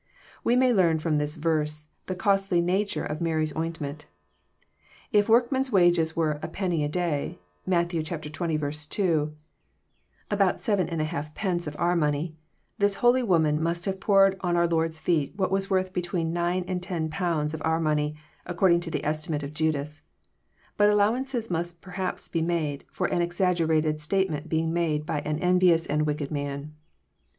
We may learn fjrom this verse the costly nature of Mary's oint ment. If workmen's wages were "a penny a day," (Matt. xx. 2,) about 7i^d. of our money, this holy woman must have poured on our Lord's feet what was worth between £9 and £10 of our money, according to the estimate of Judas. But allowances must perhaps be made for an exaggerated statement being made by an envious and wicked man.